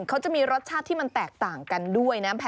เขาจะมีรสชาติที่มันแตกต่างกันด้วยนะ